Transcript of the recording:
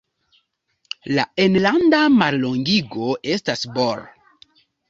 La enlanda mallongigo estas Br.